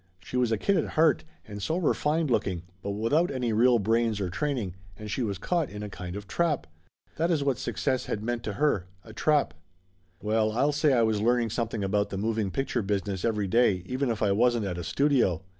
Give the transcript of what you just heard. She was a kid at heart, and so refined looking, but without any real brains or training, and she was caught in a kind of trap. That is what suc cess had meant to her a trap. Well, I'll say I was learning something about the moving picture business every day, even if I wasn't at a studio